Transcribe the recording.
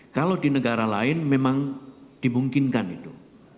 kalau di negara lain memang dimungkinkan itu